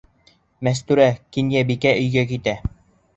Мәстүрә, Кинйәбикә өйгә китә.